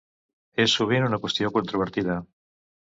És sovint una qüestió controvertida.